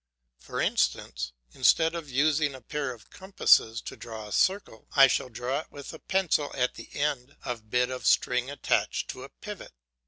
For instance, instead of using a pair of compasses to draw a circle, I shall draw it with a pencil at the end of bit of string attached to a pivot.